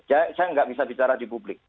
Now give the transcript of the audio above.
saya nggak bisa bicara di publik